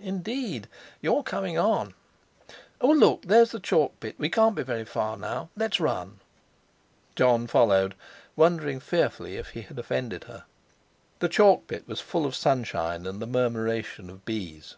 "Indeed! You're coming on! Oh! Look! There's the chalk pit; we can't be very far now. Let's run." Jon followed, wondering fearfully if he had offended her. The chalk pit was full of sunshine and the murmuration of bees.